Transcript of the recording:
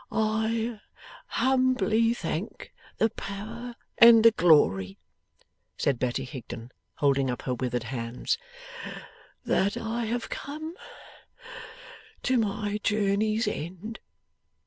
'I humbly thank the Power and the Glory,' said Betty Higden, holding up her withered hands, 'that I have come to my journey's end!